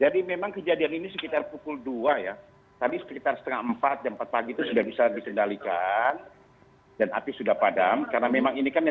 dan contoh adanya